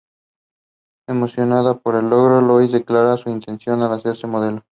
Emocionada por el logro, Lois declara su intención de hacerse modelo.